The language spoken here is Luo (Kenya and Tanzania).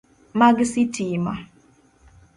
Mag sitima.